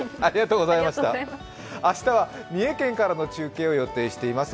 明日は三重県からの中継を予定しています。